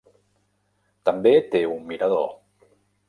També té un mirador.